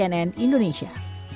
tanur gewang cnn indonesia